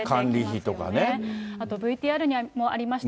あとＶＴＲにもありました。